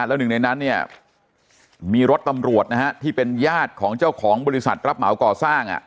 แล้วหนึ่งในนั้นเนี่ยมีรถตำรวจนะฮะที่เป็นญาติของเจ้าของบริษัทรับเหมาก่อสร้าง